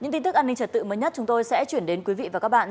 những tin tức an ninh trật tự mới nhất chúng tôi sẽ chuyển đến quý vị và các bạn